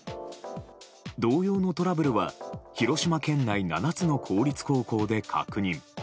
同様のトラブルは広島県内７つの公立高校で確認。